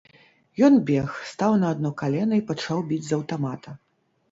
Ён бег, стаў на адно калена і пачаў біць з аўтамата.